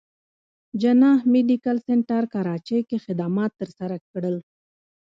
جناح ميډيکل سنټر کراچې کښې خدمات تر سره کړل